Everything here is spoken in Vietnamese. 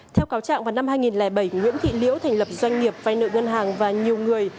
theo cáo trạng vào năm hai nghìn bảy nguyễn thị liễu thành lập doanh nghiệp vay nợ ngân hàng và nhiều người